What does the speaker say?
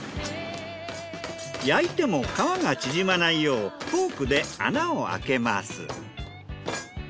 焼いても皮が縮まないようフォークで穴を開けます。